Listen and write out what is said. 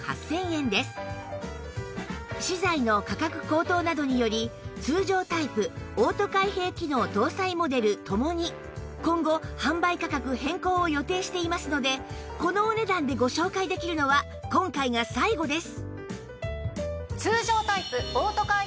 資材の価格高騰などにより通常タイプオート開閉機能搭載モデルともに今後販売価格変更を予定していますのでこのお値段でご紹介できるのは今回が最後です！